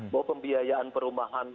bahwa pembiayaan perumahan